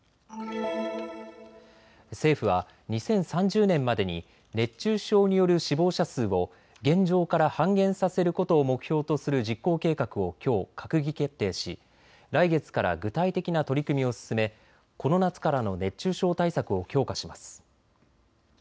政府は２０３０年までに熱中症による死亡者数を現状から半減させることを目標とする実行計画をきょう閣議決定し来月から具体的な取り組みを進めこの夏からの熱中症対策を強化します。